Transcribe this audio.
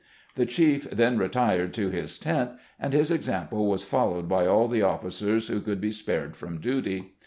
The chief then retired to his tent, and his example was followed by all the officers who could be spared from duty.